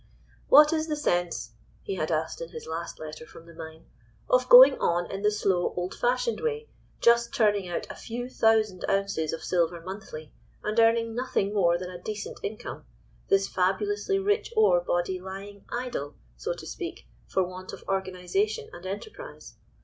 "What is the sense," he had asked in his last letter from the mine, "of going on in the slow, old fashioned way, just turning out a few thousand ounces of silver monthly, and earning nothing more than a decent income, this fabulously rich ore body lying idle, so to speak, for want of organisation and enterprise?